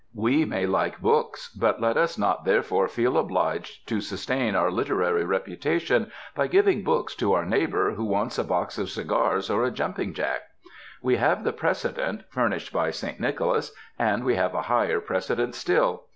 We may like books, but let us not therefore feel obliged to sustain our literary reputation by giving books to our neighbour who wants a box of cigars or a jumping jack. We have the precedent, furnished by Saint Nicholas, and we have a higher precedent still.